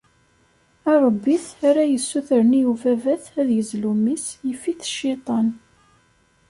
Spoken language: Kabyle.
arebbit ara yessutren i ubabat ad yezlu mmi-s, yif-it cciṭan.